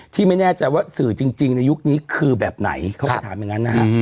ที่ไม่แน่ใจว่าสื่อจริงในยุคนี้คือแบบไหนเขาก็ถามอย่างนั้นนะฮะ